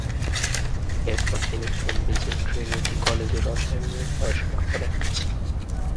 এরপর তিনি কেমব্রিজের ট্রিনিটি কলেজে রসায়ন নিয়ে পড়াশোনা করেন।